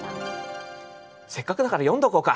せっかくだから読んどこうか。